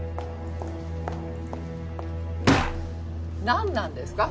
なんなんですか？